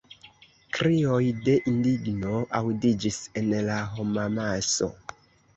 Krioj de indigno aŭdiĝis en la homamaso.